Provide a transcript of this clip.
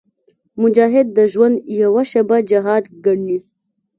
مجاهد د ژوند هره شېبه جهاد ګڼي.